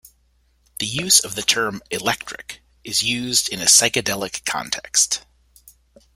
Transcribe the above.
The use of the term "electric" is used in a psychedelic context.